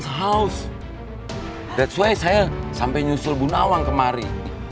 itu sebabnya saya sampai nyusul bu nawang kemari